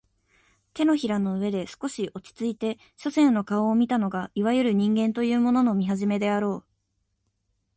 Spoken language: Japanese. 掌の上で少し落ちついて書生の顔を見たのがいわゆる人間というものの見始めであろう